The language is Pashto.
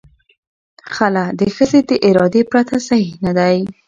خلع د ښځې د ارادې پرته صحیح نه دی.